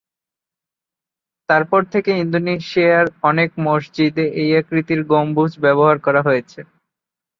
তারপর থেকে ইন্দোনেশিয়ার অনেক মসজিদে এই আকৃতির গম্বুজ ব্যবহার করা হয়েছে।